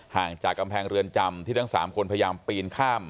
ห่างจากกำแพงเรือนจำที่ทั้ง๓คนพยายามปีนข้าม